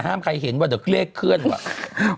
ใครเห็นว่าเดี๋ยวเลขเคลื่อนว่ะ